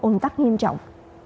ồn tắc nghiêm trọng